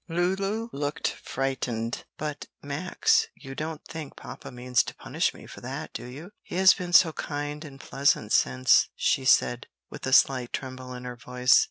Lulu looked frightened. "But, Max, you don't think papa means to punish me for that, do you? He has been so kind and pleasant since," she said, with a slight tremble in her voice.